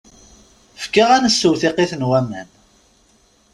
Efk-aɣ ad nsew tiqit n waman.